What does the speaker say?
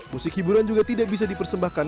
musik hiburan juga tidak bisa dipersembahkan